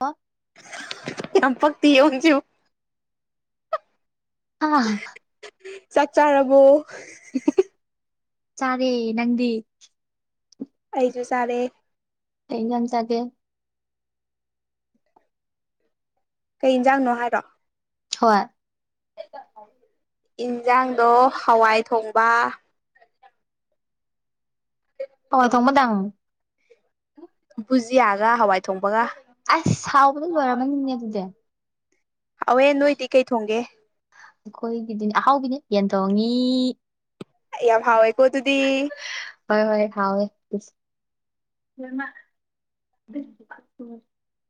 ꯍ ꯌꯥꯝ ꯐꯛꯇꯤ ꯌꯧꯁꯤꯨ ꯑꯥ ꯆꯥꯛ ꯆꯥꯔꯕꯣ ꯆꯥꯔꯦ ꯅꯪꯗꯤ ꯑꯩꯁꯨ ꯆꯔꯦ ꯀ ꯏ ꯌꯥꯝꯝ ꯊꯒꯦ ꯀꯩ ꯌꯦꯟꯖꯥꯡꯅꯣ ꯍꯥꯏꯔꯣ ꯍꯣꯏ ꯏꯟꯁꯥꯡꯗꯣ ꯍꯋꯥꯏ ꯊꯣꯡꯕ ꯍ ꯊꯝꯕꯗꯉ ꯕꯨꯖꯤꯌꯥꯒ ꯍꯋꯥꯏ ꯊꯣꯡꯕꯒ ꯑꯥꯏ ꯆꯥꯎꯕꯗ ꯂꯔ ꯃꯅꯤꯅꯦ ꯑꯗꯨꯗ ꯍꯥꯎꯋꯦ ꯅꯣꯏꯗꯤ ꯀꯩ ꯊꯣꯡꯒꯦ ꯑꯩꯈꯣꯏꯒꯤꯗꯤꯅꯦ ꯑꯍꯥꯎꯒꯤꯅꯦ ꯌꯦꯟꯊꯣꯡꯉꯤ ꯌꯥꯝ ꯍꯥꯎꯦ ꯀꯣ ꯑꯗꯨꯨꯗꯤ ꯍ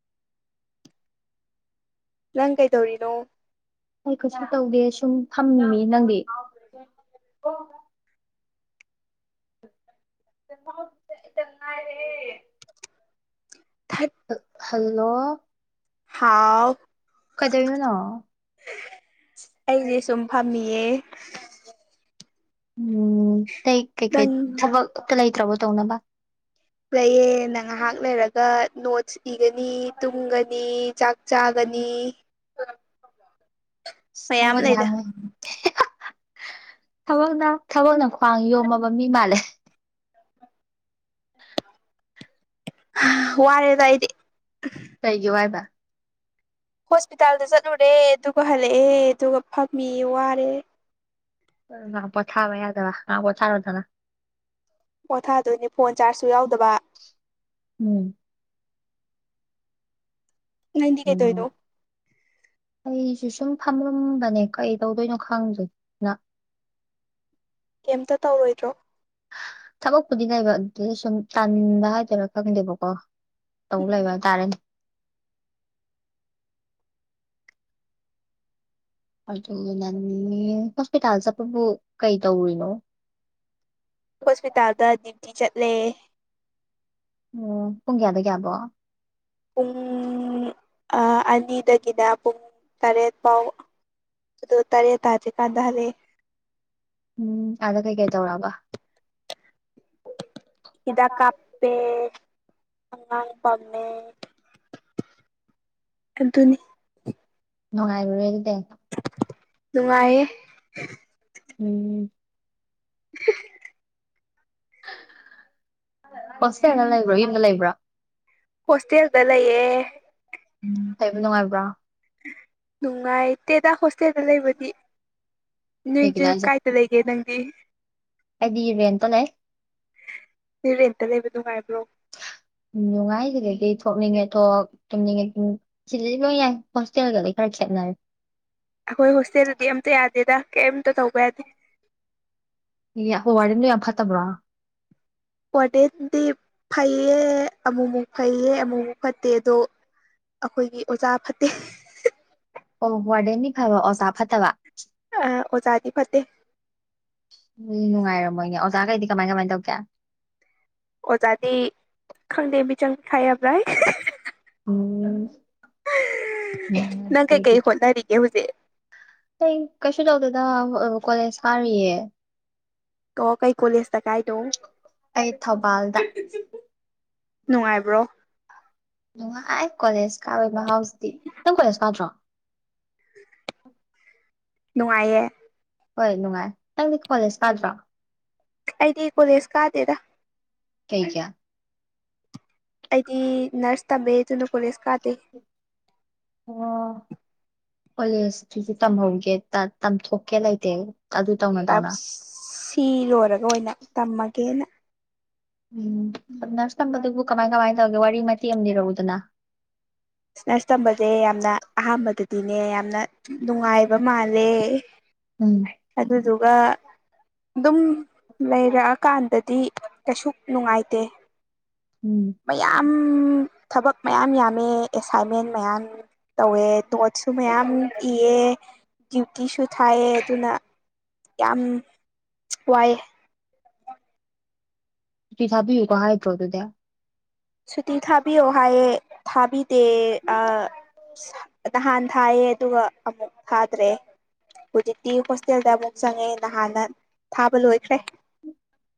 ꯅꯪ ꯀꯩꯗꯧꯔꯤꯅꯣ ꯑꯩ ꯀꯩꯁꯨ ꯇꯧꯗꯦ ꯁꯨꯝ ꯊꯝꯅꯤꯡꯃꯤ ꯅꯪꯗꯤ ꯅꯥ ꯍ ꯊ ꯍꯜꯂꯣ ꯍꯥꯎ ꯀꯩꯗꯧꯔꯤꯅꯣ ꯑꯩꯗꯤ ꯁ ꯐꯝꯦ ꯎꯝ ꯅꯇꯩ ꯀꯩꯀꯩ ꯊꯕꯛ ꯑꯛꯇ ꯂꯩꯇ꯭ꯔꯕꯣ ꯇꯧꯅꯕ ꯂꯩꯌꯦ ꯅ ꯉꯥꯏꯍꯥꯛ ꯂꯩꯔꯒ ꯅꯣꯠꯁ ꯏꯒꯅꯤ ꯇꯨꯝꯒꯅꯤ ꯆꯥꯛ ꯆꯥꯒꯅꯤ ꯃꯌꯥꯝ ꯁꯕ ꯂꯩꯗ ꯌꯥꯃꯦ ꯊꯕꯛꯅ ꯊꯕꯛꯅ ꯈ꯭ꯋꯥꯡ ꯌꯣꯝꯃꯕ ꯃꯤ ꯃꯥꯜꯂꯦ ꯋꯥꯔꯦꯗꯥꯏꯗꯤ ꯀꯩꯒꯤꯦ ꯋꯥꯏꯕ ꯍꯣꯁꯄꯤꯇꯥꯜꯗ ꯆꯠꯂꯨꯔꯦ ꯑꯗꯨꯒ ꯍꯜꯂꯛꯑꯦ ꯑꯗꯨꯒ ꯐꯝꯃꯤ ꯋꯥꯔꯦ ꯉ ꯄ ꯆꯥꯕꯌꯥꯗ ꯉ ꯄ ꯆꯥ ꯔꯊꯅ ꯄꯣꯊꯥꯗꯣꯏꯅꯦ ꯐꯣꯟ ꯆꯥꯔꯖꯁꯨ ꯌꯥꯎꯗꯕ ꯎꯝ ꯅꯟꯗꯤ ꯀꯩ ꯎꯝ ꯇꯣꯏꯗꯣ ꯑꯩꯁꯨ ꯁꯨꯝ ꯐꯝꯂꯝꯝꯕꯅꯦ ꯀꯩ ꯇꯧꯗꯣꯏꯅꯣ ꯈꯪꯗ꯭ꯦꯅ [unintelligible] ꯀꯩꯇ ꯇꯧꯔꯣꯏꯗ꯭ꯔꯣ ꯊꯕꯛꯄꯨꯗꯤ ꯉꯥꯏꯕ ꯑꯗꯨꯗ ꯁꯨꯝ ꯇꯥꯟꯅꯤꯡꯕ ꯍꯥꯏꯇꯥꯔꯥ ꯈꯪꯗꯦꯕꯀꯣ ꯇꯧ ꯂꯩꯕ ꯎꯝ ꯍꯥꯏꯇꯥꯔꯦꯅꯦ ꯑꯗꯨꯅꯤ ꯍꯣꯁꯄꯤꯇꯥꯜꯁꯦ ꯄꯕꯨ ꯀꯩ ꯇꯧꯔꯤꯅꯣ ꯍꯣꯁꯄꯤꯇꯥꯜꯗ ꯗ꯭ꯌꯨꯇꯤ ꯆꯠꯂꯦ ꯎꯝ ꯄꯨꯡ ꯀꯌꯥꯗꯒꯤꯦꯌꯥꯕꯣ ꯄꯨꯡ ꯑꯅꯤꯗꯒꯤꯅ ꯄꯨꯡ ꯇꯔꯦꯠ ꯐꯥꯎ ꯑꯗꯨ ꯇꯔꯦ ꯇꯥꯁꯦ ꯀꯥꯟꯗꯍꯜꯂꯦ ꯎꯝ ꯑꯥꯗ ꯀꯩ ꯀꯩ ꯇꯧꯔꯕ ꯏꯥꯛ ꯀꯄꯦ ꯉ ꯄꯝꯃꯦ ꯑꯗꯨ ꯑꯗꯨꯅꯤ ꯅꯨꯡꯉꯥꯏꯕ ꯑꯗꯨꯗ ꯅꯨꯡꯉꯥꯏꯦ ꯎꯝ ꯍꯣꯁꯦꯜꯒ ꯎꯝ ꯂꯩꯕ꯭ꯔꯣ ꯌꯨꯝꯗ ꯂꯩꯕ꯭ꯔꯥ ꯍꯣꯁꯇꯦꯜꯗ ꯂꯩꯌꯦ ꯂꯩꯕ ꯅꯨꯡꯉꯥꯏꯕ꯭ꯔꯥ ꯨꯡꯉꯥꯏ ꯏꯇꯗꯁ ꯏꯁꯇꯦꯗ ꯂꯩꯕꯗꯤ ꯅꯣꯏꯁꯨ ꯀꯥꯏꯗ ꯂꯩꯒꯦ ꯅꯪꯗꯤ ꯍꯥꯏꯗꯤ ꯔꯦꯟꯇ ꯂꯩ ꯅ ꯔꯦꯟꯇ ꯂꯩꯕ ꯅꯨꯡꯉꯥꯏꯕ꯭ꯔꯣ ꯎꯝ ꯅꯨꯡꯉꯥꯏ ꯁꯤꯗꯩꯗꯤ ꯊꯣꯛꯅꯤꯡꯉꯦ ꯊꯣꯛ ꯇꯨꯝꯅꯤꯡꯉꯦ ꯁꯤꯗꯗꯤ ꯂ ꯌꯥꯏ ꯍꯣꯁꯇꯦꯜꯒꯗꯤ ꯈꯔ ꯈꯦꯠꯅꯔ ꯀꯝ ꯇ ꯊꯧ ꯄꯩꯗꯤ ꯑꯦ ꯍꯣꯏ ꯋꯥꯔꯤꯦꯟꯗꯣ ꯌꯥꯝ ꯐꯠꯇꯕ꯭ꯔꯥ ꯍꯣꯔꯇꯦꯟꯗꯤ ꯐꯩꯌꯦ ꯑꯃꯨꯛꯃꯨꯛ ꯐꯩꯌꯦ ꯑꯃꯨꯛꯃꯨꯛ ꯐꯠꯇꯦ ꯑꯗꯣ ꯑꯩꯈꯣꯏꯒꯤ ꯑꯣꯖꯥ ꯐꯠꯇꯦ ꯑꯣ ꯋꯥꯔꯗꯦꯟꯅꯤ ꯐꯕ ꯑꯣꯖꯥ ꯐꯠꯇꯕ ꯑ ꯑꯣꯖꯥꯗꯤ ꯐꯠꯇꯦ ꯃꯣꯏꯒꯤ ꯑꯣꯖꯥꯒꯩꯗꯤ ꯀꯃꯥꯏ ꯀꯃꯥꯏ ꯇꯧꯒꯦ ꯑꯣꯖꯥꯗꯤ ꯈꯪꯗꯦ ꯃꯤꯆꯪ ꯈꯥꯏꯔꯕ꯭ꯔ [unintelligible] ꯎꯝ ꯅꯪ ꯀꯩꯀꯩ ꯍꯣꯠꯅꯔꯤꯒꯦ ꯍꯧꯖꯤꯛ ꯀꯩꯁꯨ ꯇꯧꯗꯦꯗ ꯗ ꯀꯣꯂꯦꯖ ꯀꯥꯔꯤꯌꯦ ꯑꯣ ꯀꯩ ꯀꯣꯂꯦꯖꯇ ꯀꯥꯏꯅꯣ ꯑꯩ ꯊꯧꯕꯥꯜꯗ ꯅꯨꯡꯉꯥꯏꯕ꯭ꯔꯣ ꯅꯨꯡꯉꯥꯏ ꯀꯣꯂꯦꯖ ꯀꯥꯕꯒꯤ ꯃꯍꯥꯎꯁꯤꯗꯤ ꯅꯪ ꯀꯣꯂꯦꯖ ꯀꯥꯗ꯭ꯔꯣ ꯅꯨꯡꯉꯥꯏꯌꯦ ꯍꯣꯏ ꯅꯨꯡꯉꯥꯏ ꯅꯪꯗꯤ ꯀꯣꯂꯦꯖ ꯀꯥꯗ꯭ꯔꯣ ꯑꯩꯗꯤ ꯀꯣꯂꯦꯖ ꯀꯥꯗꯦꯗꯥ ꯀꯩꯒꯤ ꯑꯩꯗꯤ ꯅꯔꯁ ꯇꯝꯃꯦ ꯑꯗꯨꯅ ꯀꯣꯂꯦꯖ ꯀꯥꯗꯦ ꯑꯣ ꯀꯂꯦꯖꯇꯨꯗꯤ ꯇꯝꯍꯧꯒꯦ ꯇꯝꯊꯣꯛꯀꯦ ꯂꯩꯇꯦ ꯑꯗꯨ ꯇꯧꯅ ꯇꯧꯅ ꯁꯤ ꯂꯣꯏꯔꯒ ꯑꯣꯏꯅ ꯇꯝꯃꯒꯦꯅ ꯎꯝ ꯅꯔꯁ ꯇꯝꯕꯗꯨꯕꯨ ꯀꯃꯥꯏ ꯀꯃꯥꯏ ꯇꯧꯒꯦ ꯋꯥꯔꯤ ꯃꯇꯦꯛ ꯑꯃ ꯂꯤꯔꯛꯎꯗꯅ ꯅꯔꯁ ꯇꯝꯕꯁꯦ ꯌꯥꯝꯅ ꯑꯍꯥꯟꯕꯗꯗꯤꯅꯦ ꯌꯥꯝꯅ ꯅꯨꯡꯉꯥꯏꯕ ꯃꯥꯜꯂꯦ ꯎꯝ ꯑꯗꯨꯗꯨꯒ ꯑꯗꯨꯝ ꯂꯩꯔꯛ ꯑꯀꯥꯟꯗꯗꯤ ꯀꯩꯁꯨ ꯅꯨꯡꯉꯥꯏꯇꯦ ꯎꯝ ꯃꯌꯥꯝ ꯊꯕꯛ ꯃꯌꯥꯝ ꯌꯥꯝꯃꯦ ꯑꯦꯁꯥꯏꯟꯃꯦꯟ ꯃꯌꯥꯝ ꯇꯧꯋꯦ ꯅꯣꯠꯁꯨ ꯃꯌꯥꯝ ꯏꯌꯦ ꯗ꯭ꯌꯨꯇꯤꯁꯨ ꯊꯥꯏꯌꯦ ꯑꯗꯨꯅ ꯌꯥꯝ ꯋꯥꯏꯌꯦ ꯁꯨꯇꯤ ꯊꯥꯕꯤꯌꯨꯀꯣ ꯍꯥꯏꯗ꯭ꯔꯣ ꯑꯗꯨꯗꯤ ꯁꯨꯇꯤ ꯊꯥꯕꯤꯑꯣ ꯍꯥꯏꯌꯦ ꯊꯥꯕꯤꯗꯦ ꯑꯥ ꯅꯍꯥꯟ ꯊꯥꯏꯌꯦ ꯑꯗꯨꯒ ꯑꯃꯨꯛ ꯊꯥꯗ꯭ꯔꯦ ꯍꯧꯖꯤꯛꯇꯤ ꯍꯣꯁꯇꯦꯜꯗ ꯑꯃꯨꯛ ꯆꯪꯉꯦ ꯅꯍꯥꯟꯅ ꯊꯥꯕ ꯂꯣꯏꯈ꯭ꯔꯦ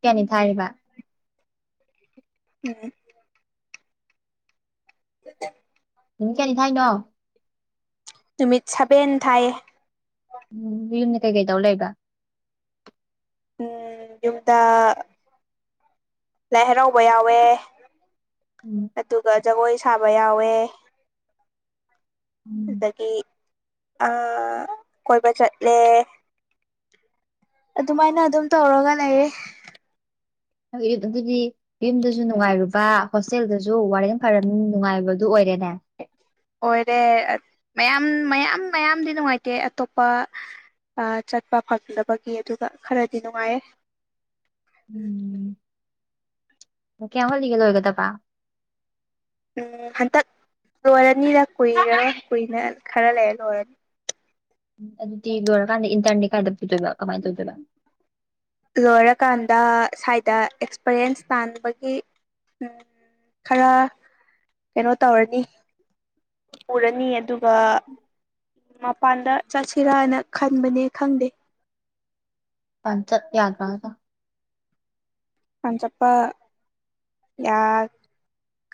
ꯀꯌꯥꯅꯤ ꯊꯥꯔꯤꯕ ꯎꯝ [inaudible] ꯅꯨꯃꯤꯠ ꯀꯌꯥꯅꯤ ꯊꯥꯏꯅꯣ ꯅꯨꯃꯤꯠ ꯁꯥꯕꯦꯟ ꯊꯥꯏꯌꯦ ꯎꯝ ꯌꯨꯝꯗ ꯀꯩ ꯀꯩ ꯇꯧꯔ ꯂꯩꯕ ꯎꯝ ꯌꯨꯝꯗ ꯂꯥꯏ ꯍꯔꯥꯎꯕ ꯌꯥꯎꯋꯦ ꯎꯝ ꯑꯗꯨꯒ ꯖꯒꯣꯏ ꯁꯥꯕ ꯌꯥꯎꯋꯦ ꯎꯝ ꯑꯗꯒꯤ ꯑꯥ ꯀꯣꯏꯕ ꯆꯠꯂꯦ ꯑꯗꯨꯃꯥꯏꯅ ꯑꯗꯨꯝ ꯇꯧꯔꯒ ꯂꯩꯌꯦ ꯑꯗꯨꯗꯤ ꯌꯨꯝꯗꯁꯨ ꯅꯨꯡꯉꯥꯏꯔꯨꯕ ꯍꯣꯁꯇꯦꯜꯗꯁꯨ ꯋꯥꯔꯗꯦꯟ ꯐꯔꯅꯤꯅ ꯅꯨꯡꯉꯥꯏꯕꯗꯨ ꯑꯣꯏꯔꯦ [inaudible] ꯑꯣꯏꯔꯦ ꯃꯌꯥꯝ ꯃꯌꯥꯝ ꯃꯌꯥꯝꯗꯤ ꯅꯨꯡꯉꯥꯏꯇꯦ ꯑꯇꯣꯞꯄ ꯆꯠꯄ ꯐꯪꯗꯕꯒꯤ ꯑꯗꯨꯒ ꯈꯔꯗꯤ ꯅꯨꯡꯉꯥꯏꯌꯦ ꯎꯝ ꯀꯌꯥꯝ ꯋꯥꯠꯂꯤꯒꯦ ꯂꯣꯏꯒꯗꯕ ꯎꯝ ꯍꯟꯇꯛ ꯂꯣꯏꯔꯅꯤꯗ ꯀꯨꯏꯔꯔꯣꯏ ꯈꯔ ꯂꯩꯔ ꯂꯣꯏꯔꯅꯤ ꯎ ꯑꯗꯨꯗꯤ ꯂꯣꯏꯔꯀꯥꯟꯗ ꯏꯟꯇ꯭ꯔꯟꯗꯤ ꯀꯥꯏꯗ ꯄꯨꯗꯣꯏꯕ ꯀꯥꯃꯥꯏꯅ ꯇꯧꯗꯣꯏꯕ ꯂꯣꯏꯔꯀꯥꯟꯗ ꯁ꯭ꯋꯥꯏꯗ ꯑꯦꯛꯁꯄꯔꯤꯌꯦꯟꯁ ꯇꯥꯟꯕꯒꯤ ꯈꯔ ꯀꯩꯅꯣ ꯇꯧꯔꯅꯤ ꯄꯨꯔꯅꯤ ꯑꯗꯨꯒ ꯃꯄꯥꯟꯗ ꯆꯠꯁꯤꯔꯥꯅ ꯈꯟꯕꯅꯦ ꯈꯪꯗꯦ ꯄ ꯆ ꯌꯥꯗ ꯃꯥꯉꯗ ꯀꯟ ꯆꯄ ꯌꯥ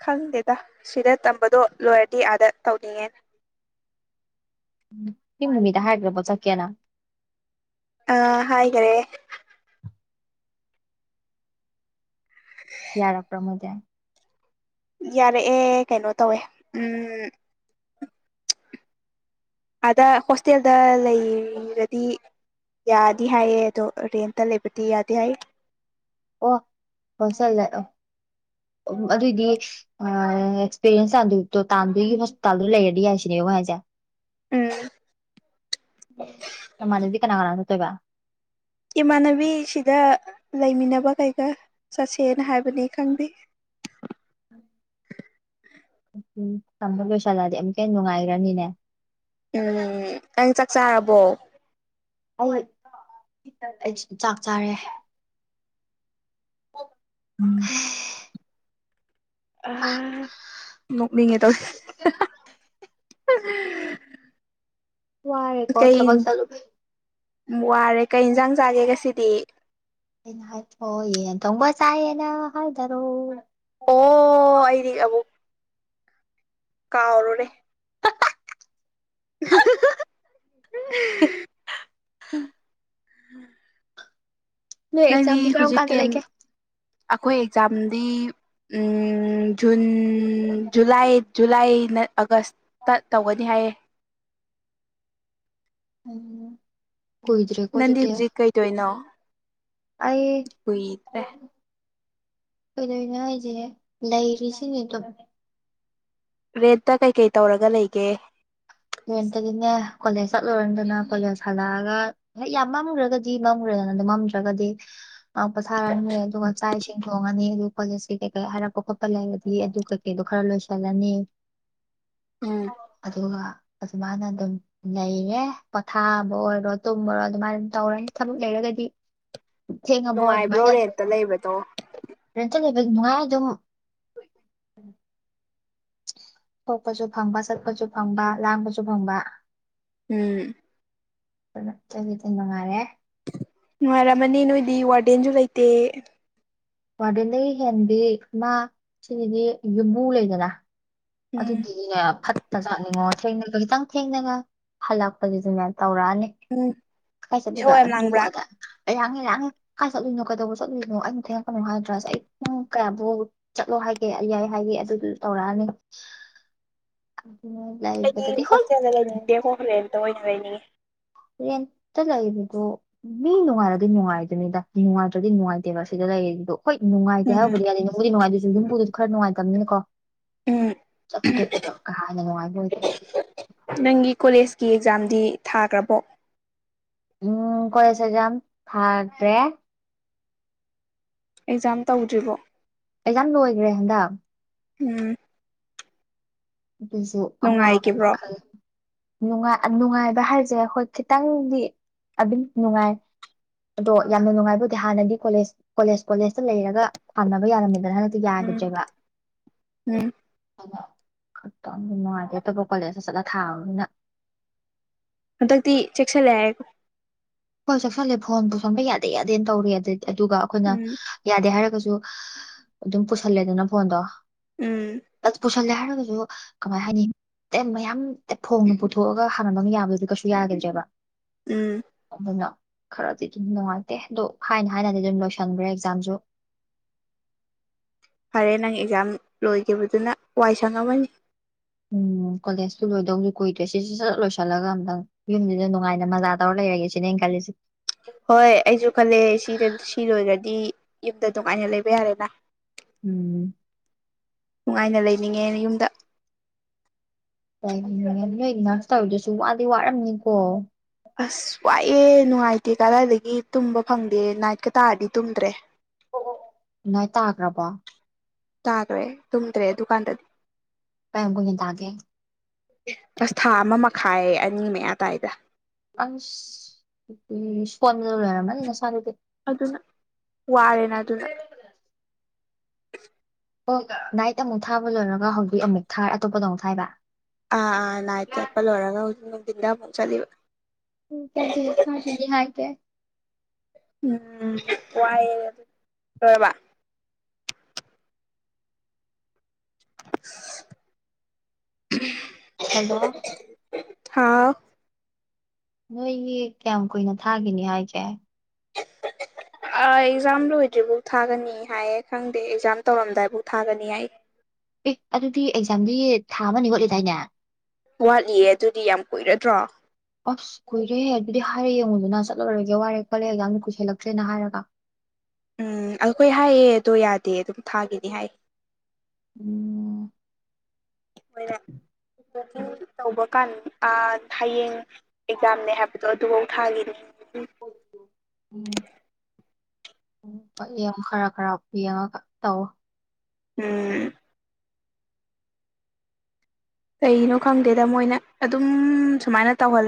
ꯈꯪꯗꯦꯗ ꯁꯤꯗ ꯇꯝꯕꯗꯣ ꯂꯣꯏꯔꯗꯤ ꯑꯥꯗ ꯇꯧꯅꯤꯡꯉꯦꯅꯦ ꯊ ꯅꯨꯃꯤꯗ ꯍꯥꯏꯒ꯭ꯔꯕꯣ ꯆ ꯀꯌꯥꯅ ꯑꯥ ꯍꯥꯏꯔꯦ ꯌꯥꯔꯣꯛꯄꯔꯃꯗ ꯌꯥꯔꯛꯑꯦ ꯀꯩꯅꯣ ꯇꯧꯋꯦ ꯎꯝ ꯑꯥꯗ ꯍꯣꯁꯇꯦꯜꯗ ꯂꯩꯔꯗꯤ ꯌꯥꯗꯤ ꯍꯥꯏꯌꯦ ꯑꯗꯣ ꯔꯦꯟꯇ ꯂꯩꯕꯗꯤ ꯌꯥꯗꯦ ꯍꯥꯏ ꯑꯣ ꯍꯣꯏ ꯆꯠꯂꯦ ꯑ ꯎ ꯑꯗꯨꯑꯣꯏꯗꯤ ꯑꯦꯛꯁꯄꯤꯔꯤꯌꯦꯟꯁ ꯇꯥꯟꯗꯣꯏꯣ ꯇꯥꯟꯗꯣꯏꯣꯁꯗ ꯂꯩꯔꯗꯤ ꯌꯥꯏꯁꯤꯅꯦꯕ ꯍꯖ ꯎꯝ ꯀꯃꯅꯗꯤ ꯀꯅꯥ ꯀꯅꯥꯅ ꯆꯠꯇꯣꯏꯕ ꯏꯃꯥꯟꯅꯕꯤꯁꯤꯗ ꯂꯩꯃꯤꯟꯅꯕ ꯀꯩꯀꯥ ꯆꯠꯁꯦꯅ ꯍꯥꯏꯕꯅꯤ ꯈꯪꯗꯦ ꯎꯝ ꯎ ꯎ ꯊꯝꯕ ꯂꯣꯏꯁꯂꯗꯤ ꯑꯃꯨꯛꯀ ꯍ ꯅꯨꯡꯉꯥꯏꯔꯅꯤꯅꯦ ꯎꯝ ꯑꯩꯪ ꯆꯥꯛ ꯆꯥꯔꯕꯣ ꯑꯩ ꯆꯥꯛ ꯆꯥꯔꯦ ꯎꯝ ꯑ ꯅꯣꯛꯅꯤꯡꯉꯦ ꯇꯧꯋꯤ ꯋꯥꯏꯔꯦ ꯀꯣ ꯀꯩ ꯊꯥꯕ ꯆꯜꯣ ꯥꯏ ꯋꯥꯔꯦ ꯀꯩ ꯌꯦꯟꯁꯥꯡ ꯆꯥꯒꯦ ꯉꯁꯤꯗꯤ ꯩꯅ ꯍꯥꯏ ꯌꯦ ꯇꯧ ꯆꯥꯏꯅ ꯍꯜꯗꯔꯣ ꯑꯣ ꯀꯥꯎꯔꯣꯨꯔꯦ ꯎ ꯅꯣꯏ ꯅꯪꯗꯤ ꯑꯦꯛꯖꯥꯝꯗꯤ ꯀꯔꯝ ꯀꯥꯟꯗ ꯍꯧꯖꯤꯛꯀꯤ ꯂꯩꯒꯦ ꯑꯩꯈꯣꯏ ꯑꯦꯛꯖꯥꯝꯗꯤ ꯖꯨꯟ ꯖꯨꯂꯥꯏ ꯖꯨꯂꯥꯏꯅ ꯑꯥꯒꯁꯇ ꯇꯧꯒꯅꯤ ꯍꯥꯏꯌꯦ ꯑꯝ ꯀꯨꯣꯏꯗ꯭ꯔꯦ ꯀꯣꯁꯨ ꯅꯪꯗꯤ ꯊ ꯍꯧꯖꯤꯛ ꯀꯩꯗꯣꯏꯅꯣ ꯑꯩ ꯀꯨꯏꯗ꯭ꯔꯦ ꯀꯩꯗꯧꯅꯦꯣ ꯍꯥꯏꯁꯦ ꯂꯩꯔꯤꯁꯤꯅꯦ ꯑꯗꯨꯝ ꯔꯦꯠꯇ ꯀꯩꯀꯩ ꯇꯧꯔꯒ ꯂꯩꯒꯦ ꯂꯣꯏꯔꯝꯇꯗꯤꯅꯦ ꯀꯣꯂꯦꯖ ꯆꯠꯂꯨꯔꯗꯅ ꯀꯣꯂꯦꯖ ꯍꯜꯂꯛꯑꯒ ꯍꯦꯛ ꯌꯥꯝ ꯃꯝꯉꯨꯔꯒꯗꯤ ꯃꯝꯂꯨꯔꯦ ꯑꯗꯨꯖꯅ ꯑꯗꯨꯝꯃꯝꯗ꯭ꯔꯒꯗꯤ ꯄꯣꯊꯥꯔꯅꯤ ꯑꯗꯨꯒ ꯆꯥꯛ ꯏꯁꯤꯡ ꯊꯣꯡꯉꯅꯤ ꯀꯣꯂꯦꯖꯀꯤ ꯀꯩꯀꯩ ꯍꯥꯏꯔꯛꯄ ꯈꯣꯠꯄ ꯂꯩꯔꯗꯤ ꯑꯗꯨ ꯀꯩꯀꯩꯗꯣ ꯈꯔ ꯂꯣꯏꯁꯜꯂꯅꯤ ꯎꯝ ꯑꯗꯨꯒ ꯑꯗꯨꯃꯥꯏꯅ ꯑꯗꯨꯝ ꯂꯩꯔꯦ ꯄꯣꯊꯥꯕ ꯑꯣꯏꯔꯣ ꯇꯨꯝꯕꯔꯣ ꯑꯗꯨꯃꯥꯏꯅ ꯑꯗꯨꯝ ꯇꯧꯔꯅꯤ ꯊꯕꯛ ꯂꯩꯔꯒꯗꯤ ꯊꯦꯡꯉꯕꯣ ꯃ ꯅꯨꯡꯉꯥꯏꯕ꯭ꯔꯣ ꯔ ꯔꯦꯟꯇ ꯂꯩꯕꯗꯣ ꯉꯥꯏꯗꯉ ꯊꯣꯛꯄꯁꯨ ꯐꯪꯕ ꯆꯠꯄꯁꯨ ꯐꯪꯕ ꯂꯥꯡꯕꯁꯨ ꯐꯪꯕ ꯎꯝ ꯒꯤꯇꯤꯟꯕꯉꯥꯏꯔꯦ ꯅꯨꯡꯉꯥꯏꯔꯝꯃꯅꯤ ꯅꯣꯏꯗꯤ ꯋꯥꯔꯗꯦꯟꯁꯨ ꯂꯩꯇꯦ ꯋꯥꯔꯗꯦꯟꯗꯒꯤ ꯍꯦꯟꯕꯤ ꯃꯥ ꯁꯤꯗꯤ ꯌꯨꯝꯃꯨ ꯂꯩꯗꯅ ꯎꯝ ꯑꯗꯨꯗꯤꯅꯦ ꯐꯠꯇ ꯆꯠꯅꯤꯡꯉꯣ ꯊꯦꯡꯅꯕ ꯈꯤꯇꯪ ꯊꯦꯡꯅꯒ ꯍꯜꯂꯛꯄꯒꯤꯁꯨꯅꯦ ꯎꯝ ꯇꯧꯔꯛꯑꯅꯤꯥꯏ ꯆꯠꯂ ꯏꯁꯧ ꯌꯥꯝ ꯑꯗꯨ ꯂꯥꯡꯕ꯭ꯔꯥ ꯑꯗ ꯑꯍꯥꯡꯔꯥꯡ ꯀꯥꯏ ꯆꯠꯂꯨꯏꯅꯣ ꯀꯩꯗꯧꯕ ꯆꯠꯂꯨꯏꯅꯣ ꯑꯝ ꯊꯦꯡꯉꯛꯄꯅꯣ ꯍꯥꯏꯗ꯭ꯔꯁ ꯑꯩ ꯅꯪ ꯀꯌꯥꯕꯨ ꯆꯠꯂꯣ ꯍꯥꯏꯒꯦ ꯑꯩ ꯍꯥꯏ ꯑꯗꯨ ꯇꯧꯔꯛꯑꯅꯤ ꯑꯩꯗꯤ ꯂꯩꯕꯗꯗꯤ ꯍꯣꯏ ꯍꯣꯁꯇꯦꯜꯗ ꯂꯩꯅꯤꯡꯗꯦ ꯍꯣ ꯍꯣꯂꯦꯟ ꯑꯇ ꯑꯣꯏꯅ ꯂꯩꯅꯤꯡꯉꯦ ꯍꯦꯟꯇ ꯂꯩꯗꯣ ꯃꯤ ꯅꯨꯡꯉꯥꯏꯔꯗꯤ ꯅꯨꯡꯉꯥꯏꯗꯨꯅꯤꯗ ꯅꯨꯡꯉꯥꯏꯇ꯭ꯔꯗꯤ ꯅꯨꯡꯉꯥꯏꯇꯦꯕ ꯁꯤꯗ ꯂꯩꯔꯤꯗꯣ ꯍꯣꯏ ꯅꯨꯡꯉꯥꯏꯗꯦ ꯎꯝ ꯍꯥꯏꯕꯗꯤ ꯌꯥꯗꯤ ꯅꯕꯨꯗꯤꯅꯨꯡꯉꯥꯏꯇꯦꯁꯨ ꯌꯨꯝꯕꯨꯗꯨꯗꯤ ꯈꯔ ꯅꯨꯡꯉꯥꯏꯇꯕꯅꯤꯀꯣ ꯎꯝ ꯆꯠꯊꯣꯛꯕ ꯀꯥ ꯍꯥꯟꯅ ꯅꯨꯡꯉꯥꯏꯕ ꯑꯣꯏꯔꯦ ꯅꯪꯒꯤ ꯀꯣꯂꯦꯖꯀꯤ ꯑꯦꯛꯖꯥꯝꯗꯤ ꯊꯥꯈ꯭ꯔꯕꯣ ꯎꯝ ꯀꯣꯏꯁꯦꯖꯝ ꯐꯥꯠ ꯔꯦ ꯑꯦꯛꯖꯥꯝ ꯇꯧꯗ꯭ꯔꯤꯕꯣ ꯀꯩꯖꯥ ꯂꯣꯏꯈ꯭ꯔꯦ ꯍꯟꯗꯛ ꯎꯝ ꯑꯗꯨꯁꯨ ꯑꯋꯥꯕ ꯅꯨꯡꯉꯥꯏꯈꯤꯕ꯭ꯔꯣ ꯃꯈꯜꯅꯨꯡꯉꯥꯏ ꯅꯨꯡꯉꯥꯏ ꯚ ꯍꯥꯏꯔꯁꯦ ꯑꯩꯈꯣꯏ ꯈꯤꯇꯪꯗꯤ ꯑꯗꯨ ꯅꯨꯡꯉꯥꯏ ꯑꯗꯣ ꯌꯥꯝꯅ ꯅꯨꯡꯉꯥꯏꯕꯗꯤ ꯍꯥꯟꯅꯗꯤ ꯀꯣꯂꯦꯖ ꯀꯣꯂꯦꯖ ꯀꯣꯂꯦꯖꯇ ꯂꯩꯔꯒ ꯊꯥꯅꯕ ꯌꯥꯔꯝꯃꯦ ꯗ꯭ꯔ ꯍꯗꯤꯗꯒꯤ ꯎꯝ ꯍꯥꯏꯒꯖꯕ ꯎꯝ ꯈꯛꯇꯪ ꯅꯨꯡꯉꯥꯏꯇꯦ ꯑꯇꯣꯞꯄ ꯀꯣꯂꯦꯖꯇ ꯆꯠꯂ ꯊꯥꯕꯅꯤꯅ ꯍꯟꯗꯛꯇꯤ ꯆꯦꯛꯁꯜꯂꯦ ꯍꯥꯏꯔꯦꯀꯣ ꯍꯣꯏ ꯆ ꯆꯥꯎꯁꯜꯂꯦ ꯐꯣꯟ ꯇꯧꯁꯣꯟꯕ ꯌꯥꯗꯦ ꯌꯥꯗꯦꯅ ꯇꯧꯔ ꯑꯗꯨꯗꯤ ꯑꯗꯨꯒ ꯑꯩꯈꯣꯏꯅ ꯎꯝ ꯌꯥꯗꯦ ꯍꯥꯏꯔꯒꯁꯨ ꯁꯨ ꯑꯗꯨꯝ ꯄꯨꯁꯜꯂꯦꯗꯅ ꯐꯣꯟꯗꯣ ꯎꯝ ꯆꯜꯂꯦ ꯍꯥꯏꯔꯒꯁꯨ ꯀꯃꯥꯏ ꯍꯥꯏꯅꯤ ꯑꯦ ꯃꯌꯥꯝ ꯑꯦ ꯐꯣꯡꯅ ꯄꯨꯊꯣꯛꯑꯒ ꯍꯥꯡꯃꯕ ꯑꯃ ꯌꯥꯕꯗꯨꯗꯤ ꯀꯩꯁꯨ ꯌꯥꯈꯤꯗ꯭ꯔꯦꯕ ꯎꯝ ꯑꯗꯨꯅ ꯈꯔꯗꯤ ꯑꯗꯨꯝ ꯅꯨꯡꯉꯥꯏꯇꯦ ꯑꯗꯣ ꯍꯥꯏꯅ ꯍꯥꯏꯅꯗꯤ ꯑꯗꯨꯝ ꯂꯣꯏꯁꯟꯈ꯭ꯔꯦ ꯑꯦꯛꯖꯥꯝꯁꯨ [unintelligible] ꯐꯔꯦ ꯅꯪ ꯑꯦꯛꯖꯥꯝ ꯂꯣꯏꯈꯤꯕꯗꯨꯅ ꯋꯥꯏ ꯁꯪꯝ ꯑꯃꯅꯤꯅꯤ ꯎꯝ ꯀꯣꯂꯦꯖꯇꯨ ꯂꯣꯏꯗꯧꯁꯨ ꯀꯨꯏꯗ꯭ꯔꯦ ꯁꯤꯁꯨ ꯆꯠ ꯂꯣꯏꯁꯤꯜꯂꯒ ꯑꯝꯇꯪ ꯌꯨꯝꯗꯨꯗ ꯅꯨꯡꯉꯥꯏꯅ ꯃꯖꯥ ꯇꯧꯔ ꯂꯩ ꯅ ꯀ ꯍꯣꯏ ꯑꯩꯁꯨ ꯈꯜꯂꯦ ꯁꯤꯗ ꯁꯤ ꯂꯣꯏꯔ꯭ꯔꯗꯤ ꯌꯨꯝꯗ ꯅꯨꯡꯉꯥꯏꯅ ꯂꯩꯕ ꯌꯥꯔꯦꯅ ꯎꯝ ꯅꯤꯡꯉꯦ ꯌꯨꯝꯗ ꯅꯣꯏꯒꯤ ꯉꯛꯁ ꯇꯧꯔꯗꯁꯨ ꯋꯥꯗꯤ ꯋꯥꯔꯝꯅꯤꯀꯣ ꯑꯁ ꯋꯥꯏꯑꯦ ꯅꯨꯡꯉꯥꯏꯇꯦ ꯀꯗꯥꯏꯗꯒꯤ ꯇꯨꯝꯕ ꯐꯪꯗꯦ ꯅꯥꯏꯠꯀ ꯇꯥꯔꯗꯤ ꯇꯨꯝꯗ꯭ꯔꯦ ꯥꯏ ꯇꯥꯈ꯭ꯔꯕ ꯇꯥꯈ꯭ꯔꯦ ꯇꯨꯝꯗ꯭ꯔꯦ ꯗꯨꯀꯥꯟꯗꯗꯤ ꯀ ꯀꯅꯤ ꯇꯒꯦ ꯑꯁ ꯊꯥ ꯑꯃ ꯃꯈꯥꯏ ꯑꯅꯤ ꯃꯌꯥꯗꯥꯏꯗ ꯑ ꯩꯅ ꯁꯗ ꯑꯗꯨꯅ ꯋꯥꯔꯦꯅ ꯑꯗꯨꯅ ꯑꯣꯣꯏ ꯅꯥꯏꯠ ꯑꯃꯨꯛ ꯊꯥꯕ ꯂꯣꯏꯔꯒ ꯍꯧꯖꯤꯛ ꯑꯃꯨꯛ ꯊꯥꯔ ꯑꯇꯣꯞꯄꯗ ꯑꯃꯨꯛ ꯊꯥꯏꯕ ꯑꯥ ꯑꯥ ꯂꯥꯏꯏꯠ ꯆꯠꯄ ꯂꯣꯏꯔꯒ ꯍꯧꯖꯤꯛ ꯅꯨꯡꯊꯤꯟꯗ ꯑꯃꯨꯛ ꯆꯠꯂꯤꯕ ꯎ ꯍꯥꯏ ꯀꯦ ꯎꯝ ꯄꯥꯏ ꯑꯣꯏꯣꯏꯕ [unintelligible] ꯍꯜꯂꯣ ꯍꯥꯥꯎ ꯅꯣꯏꯒꯤ ꯀꯌꯥꯝ ꯀꯨꯏꯅ ꯊꯥꯈꯤꯅꯤ ꯍꯥꯏꯁꯦ ꯑꯦꯛꯖꯥꯝ ꯂꯣꯏꯗ꯭ꯔꯤꯐꯥꯎ ꯊꯥꯒꯅꯤ ꯍꯥꯏꯌꯦ ꯈꯪꯗꯦ ꯑꯦꯛꯖꯥꯝ ꯇꯧꯔꯝꯗꯥꯏꯐꯥꯎ ꯊꯥꯒꯅꯤ ꯑꯩ ꯑꯦ ꯑꯗꯨꯗꯤ ꯑꯦꯛꯖꯥꯝꯗꯤ ꯊꯥ ꯑꯃꯅꯤ ꯈꯣꯠꯂꯤꯗꯥꯏꯅꯦ ꯋꯥꯠꯂꯤꯌꯦ ꯑꯗꯨꯗꯤ ꯌꯥꯝ ꯀꯨꯏꯔꯗ꯭ꯔꯣ ꯑꯁ ꯀꯨꯏꯔꯦ ꯑꯗꯨꯗꯤ ꯍꯥꯏꯔꯦ ꯌꯦꯡꯉꯨꯗꯨꯅ ꯆꯠꯂꯔꯒꯦ ꯋꯥꯔꯦ ꯀꯜꯂꯦ ꯌꯥꯝꯅ ꯀꯨꯏꯁꯤꯜꯂꯛꯇ꯭ꯔꯦꯅ ꯍꯥꯏꯔꯒ [unintelligible] ꯎꯝ ꯑꯩꯈꯣꯏ ꯍꯥꯏꯌꯦ ꯑꯗꯣ ꯌꯥꯗꯦ ꯑꯗꯨꯝ ꯊꯥꯒꯅꯤ ꯍꯥꯏ ꯑꯣ ꯑꯣꯏꯣꯏꯔ ꯑꯗꯨ ꯇꯧꯕ ꯀꯥꯟ ꯍꯌꯦꯡ ꯑꯦꯛꯖꯥꯝꯅꯦ ꯍꯥꯏꯕꯗꯣ ꯑꯗꯨꯐꯧ ꯊꯥꯈꯤꯅꯤ ꯎꯝ ꯎ ꯌꯥꯝ ꯈꯔ ꯈꯔ ꯌꯦꯡꯉꯒ ꯇꯧ ꯎꯝ ꯀꯩꯅꯣ ꯈꯪꯗꯦꯗ ꯃꯣꯏꯅ ꯑꯗꯨꯝ ꯁꯨꯃꯥꯏꯅ ꯇꯧꯍꯜꯂ